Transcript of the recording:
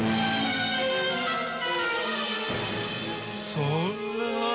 そんな。